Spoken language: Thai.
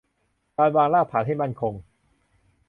การวางรากฐานให้มั่นคง